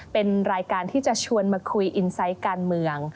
เป็นรายการที่จะชวนมาคุยอินไซต์การเมือง